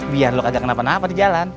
biar lo nggak kenapa napa di jalan